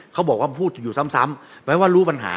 เขาบอกว่าพูดอยู่ซ้ำแปลว่ารู้ปัญหา